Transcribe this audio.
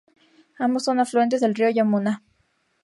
Ambos son afluentes del río Yamuna.